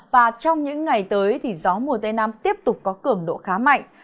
và trong những ngày tới thì gió mùa tây nam tiếp tục có cường độ khá mạnh